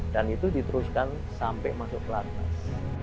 dan itu diteruskan sampai masuk ke latas